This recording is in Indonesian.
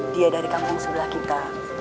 dia dari kampung sebelah kita